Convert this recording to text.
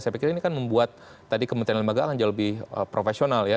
saya pikir ini kan membuat tadi kementerian lembaga akan jauh lebih profesional ya